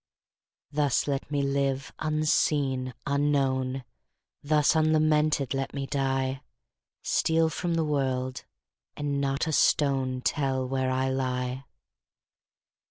Thus let me live, unseen, unknown; Thus unlamented let me die; Steal from the world, and not a stone Tell where I lie.